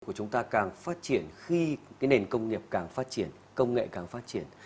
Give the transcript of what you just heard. của chúng ta càng phát triển khi cái nền công nghiệp càng phát triển công nghệ càng phát triển